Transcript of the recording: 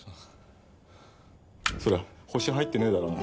それ星入ってねえだろうな。